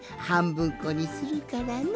ぶんこにするからの。